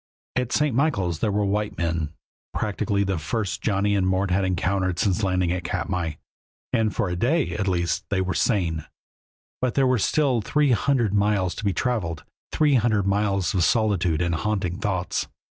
At St. Michaels there were white men, practically the first Johnny and Mort had encountered since landing at Katmai, and for a day at least they were sane. But there were still three hundred miles to be traveled, three hundred miles of solitude and haunting thoughts.